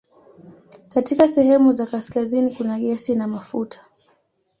Katika sehemu za kaskazini kuna gesi na mafuta.